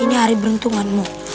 ini hari beruntunganmu